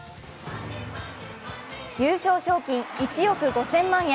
優勝賞金１億５０００万円。